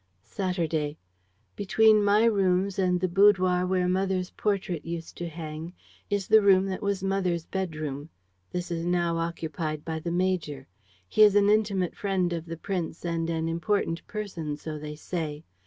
"Saturday. "Between my rooms and the boudoir where mother's portrait used to hang is the room that was mother's bedroom. This is now occupied by the major. He is an intimate friend of the prince and an important person, so they say.